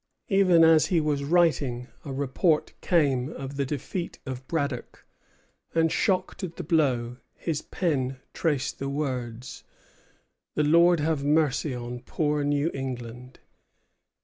Even as he was writing, a report came of the defeat of Braddock; and, shocked at the blow, his pen traced the words: "The Lord have mercy on poor New England!"